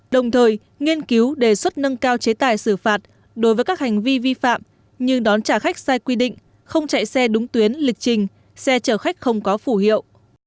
đồng thời nghiên cứu đề xuất nâng cao chế tài xử phạt đối với các hành vi vi phạm như đón trả khách sai quy định không chạy xe đúng tuyến lịch trình xe chở khách không có phủ hiệu